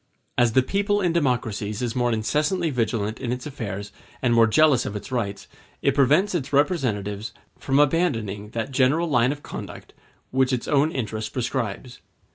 As the people in democracies is more incessantly vigilant in its affairs and more jealous of its rights, it prevents its representatives from abandoning that general line of conduct which its own interest prescribes.